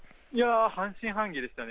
半信半疑でしたね。